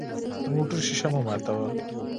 د موټر شیشه مه ماتوه.